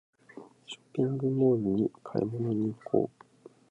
ショッピングモールに買い物に行こう